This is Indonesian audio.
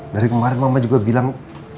dari kemarin mama juga bilang